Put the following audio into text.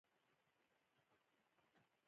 پانګه وال د کوچنیو پروژو مالي ملاتړ کوي.